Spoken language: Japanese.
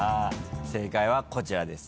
正解はこちらです。